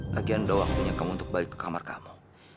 lagian doang aku nyekammu untuk balik ke kamar kamu